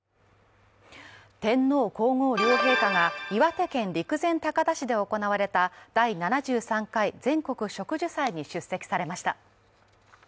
天皇皇后両陛下が岩手県陸前高田市で行われた第７３回全国植樹祭に出席されました。